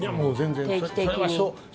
定期的に。